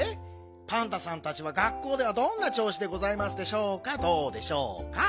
パンタさんたちは学校ではどんなちょう子でございますでしょうかどうでしょうか？